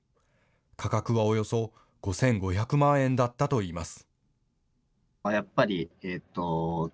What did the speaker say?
価格はおよそ５５００万円だったといいます。